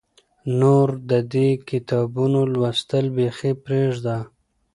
نور د دې کتابونو لوستل بیخي پرېږده.